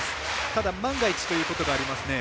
ただ、万が一ということがありますね。